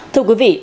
thưa quý vị